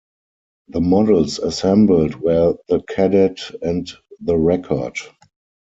The models assembled were the Kadett and the Rekord.